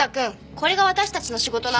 これが私たちの仕事なんだよ。